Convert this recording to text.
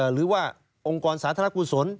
หรือว่าองค์กรสาธารณกุศล